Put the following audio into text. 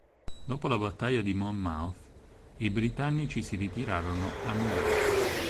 Dopo la battaglia di Monmouth i britannici si ritirarono a New York.